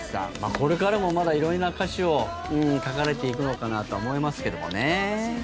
これからもまだ色々な歌詞を書かれていくのかなと思いますけどもね。